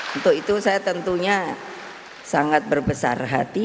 untuk itu saya tentunya sangat berbesar hati